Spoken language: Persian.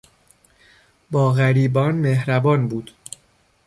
با غریبان مهربان بود.